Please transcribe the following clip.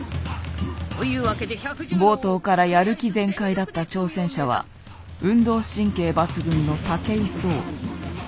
冒頭からやる気全開だった挑戦者は運動神経抜群の武井壮。